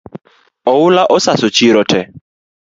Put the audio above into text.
Oula osaso chiro tee